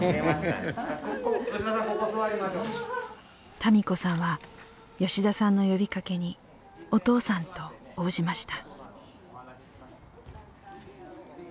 多美子さんは吉田さんの呼びかけに「お父さん」と応じました。